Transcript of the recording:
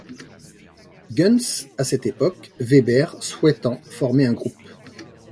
Guns à cette période, Weber souhaitant former un groupe.